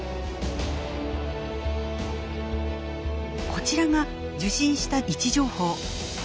こちらが受信した位置情報。